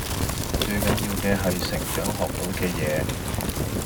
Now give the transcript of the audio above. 最緊要嘅係成長學到嘅嘢⠀